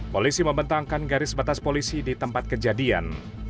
polisi membentangkan garis batas polisi di tempat kejadian